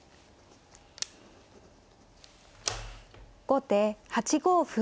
後手８五歩。